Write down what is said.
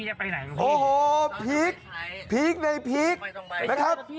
โอ้โฮพีคพีคในพีคนะครับ